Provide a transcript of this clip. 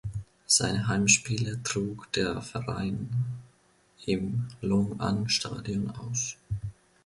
Seine Heimspiele trug der Verein im Long-An-Stadion aus.